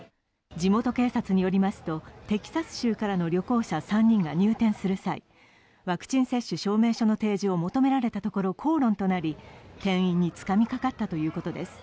地元警察によりますと、テキサス州からの旅行者３人が入店する際、ワクチン接種証明書の提示を求められたところ口論となり、店員につかみかかったということです。